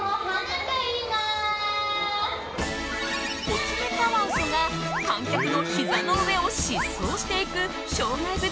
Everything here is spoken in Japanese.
コツメカワウソが観客のひざの上を疾走していく障害物